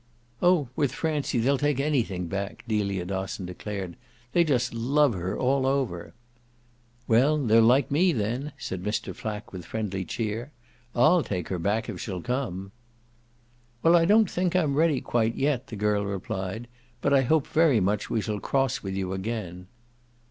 "Oh with Francie they'll take anything back," Delia Dosson declared. "They just love her, all over." "Well, they're like me then," said Mr. Flack with friendly cheer. "I'LL take her back if she'll come." "Well, I don't think I'm ready quite yet," the girl replied. "But I hope very much we shall cross with you again."